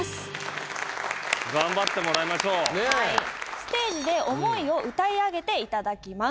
ステージで思いを歌い上げていただきます。